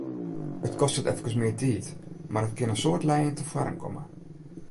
It kostet efkes mear tiid, mar it kin in soad lijen tefoaren komme.